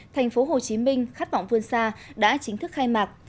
thành phố hồ chí minh khát vọng vươn xa đã chính thức khai mạc